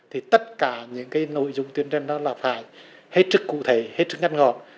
thì tất cả những cái nội dung tuyên truyền đó là phải hết sức cụ thể hết sức ngăn ngọ